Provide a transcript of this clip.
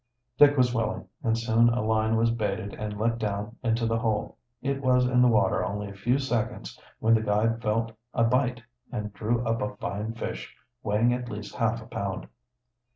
Dick was willing, and soon a line was baited and let down into the hole. It was in the water only a few seconds when the guide felt a bite and drew up a fine fish, weighing at least half a pound.